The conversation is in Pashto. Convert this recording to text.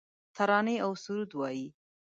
ترانې اوسرود وایې